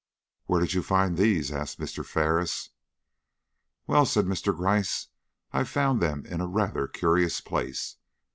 "Where did you find these?" asked Mr. Ferris. "Well," said Mr. Gryce, "I found them in rather a curious place.